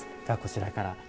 ではこちらから。